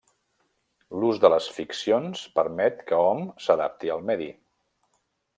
L'ús de les ficcions permet que hom s'adapti al medi.